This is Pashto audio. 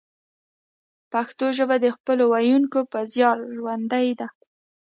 پښتو ژبه د خپلو ویونکو په زیار ژوندۍ ده